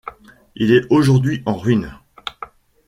Il est aujourd’hui en ruines.